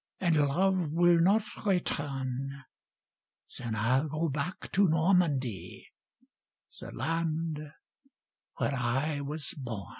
And love will not return — Then I'll go back to Normandy, The land where I was bom.